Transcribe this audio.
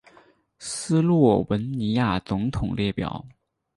斯洛文尼亚总统列表